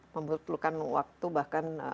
membutuhkan waktu bahkan